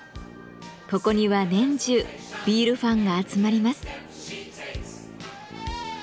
ここには年中ビールファンが集まります。